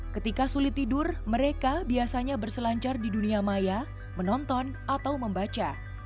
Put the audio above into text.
ketika sulit tidur mereka biasanya berselancar di dunia maya menonton atau membaca